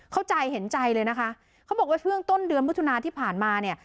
เข้าใจเห็นใจเลยนะคะเขาบอกว่าช่วงต้นเดือนมิถุนาที่ผ่านมาเนี่ย